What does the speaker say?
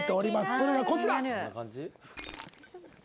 それがこちら。